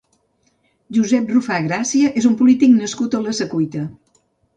Josep Rufà Gràcia és un polític nascut a la Secuita.